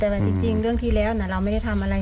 แต่ว่าจริงเรื่องที่แล้วเนาะเราไม่ได้ทำอะไรมันไหน